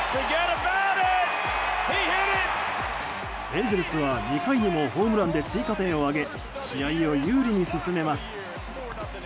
エンゼルスは２回にもホームランで追加点を挙げ試合を有利に進めます。